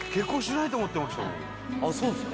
あっそうですか？